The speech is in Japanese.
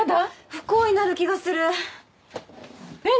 不幸になる気がするえっ？